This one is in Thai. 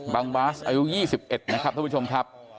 บาสอายุ๒๑นะครับท่านผู้ชมครับ